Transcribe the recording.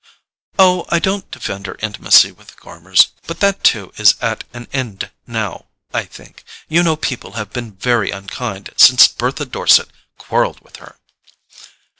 "Oh, I don't defend her intimacy with the Gormers; but that too is at an end now, I think. You know people have been very unkind since Bertha Dorset quarrelled with her."